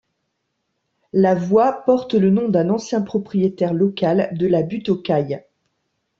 La voie porte le nom d'un ancien propriétaire local de la Butte-aux-Cailles.